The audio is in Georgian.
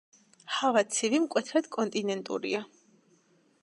ჰავა ცივი, მკვეთრად კონტინენტურია.